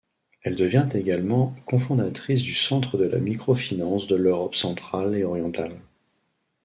Elle devient également cofondatrice du Centre de la microfinance de l'Europe centrale et orientale.